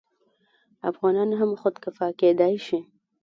افغانان هم خودکفا کیدی شي.